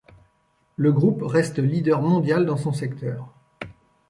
Le groupe reste leader mondial dans son secteur.